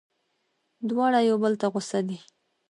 دواړه یو بل ته غوسه دي.